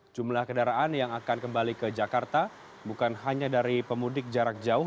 jumlah kendaraan yang akan kembali ke jakarta bukan hanya dari pemudik jarak jauh